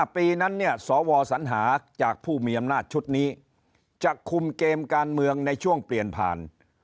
ปีนั้นเนี่ยสวสัญหาจากผู้มีอำนาจชุดนี้จะคุมเกมการเมืองในช่วงเปลี่ยนผ่าน